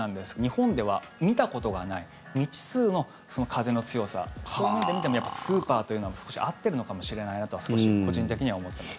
日本では見たことがない未知数の風の強さと思って見るとスーパーというのは少し合ってるのかもしれないなと個人的には思ってます。